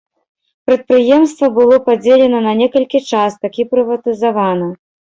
Прадпрыемства было падзелена на некалькі частак і прыватызавана.